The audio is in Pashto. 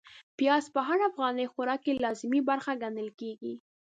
پياز په هر افغاني خوراک کې لازمي برخه ګڼل کېږي.